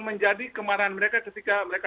menjadi kemarahan mereka ketika mereka